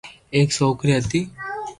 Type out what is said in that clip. ايڪ سوڪرو ھتي